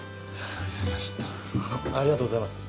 あのありがとうございます。